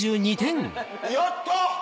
やった！